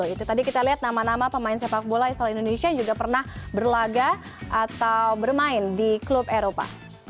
itu tadi kita lihat nama nama pemain sepak bola asal indonesia yang juga pernah berlaga atau bermain di klub eropa